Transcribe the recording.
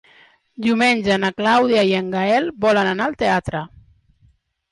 Diumenge na Clàudia i en Gaël volen anar al teatre.